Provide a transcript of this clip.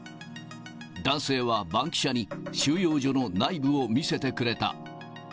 男性はバンキシャに収容所の内部を見せてくれた。